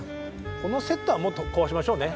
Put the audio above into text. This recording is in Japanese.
このセットはもう壊しましょうね。